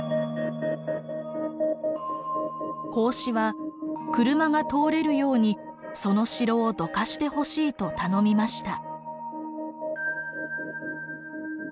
孔子は車が通れるようにその城をどかしてほしいと頼みました。